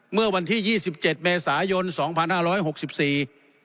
เมื่อวันที่ยี่สิบเจ็ดเมษายนสองพันห้าร้อยหกสิบสี่